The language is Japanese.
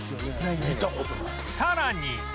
さらに